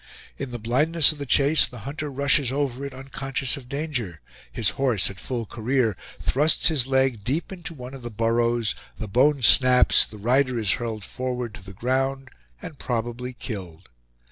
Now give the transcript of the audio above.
In the blindness of the chase the hunter rushes over it unconscious of danger; his horse, at full career, thrusts his leg deep into one of the burrows; the bone snaps, the rider is hurled forward to the ground and probably killed.